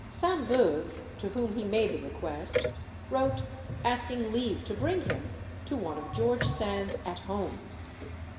Sainte Beuve, to whom he made the request, wrote, asking leave to bring him to one of George Sand's "at homes."